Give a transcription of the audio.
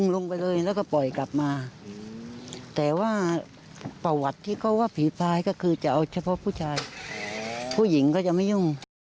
แล้วผู้ชายผู้หญิงก็จะไม่ยุ่ง